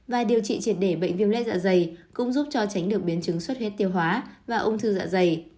và điều trị triệt để bệnh viêm lết dạ dày cũng giúp cho tránh được biến chứng suốt huyết tiêu hóa và ung thư dạ dày